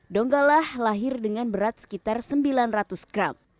donggala lahir dengan berat sekitar sembilan ratus gram